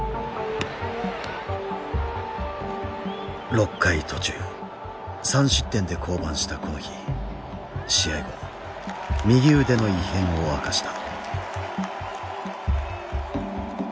６回途中３失点で降板したこの日試合後右腕の異変を明かした。